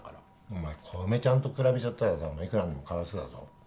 お前小梅ちゃんと比べちゃったらさお前いくらなんでもかわいそうだぞ。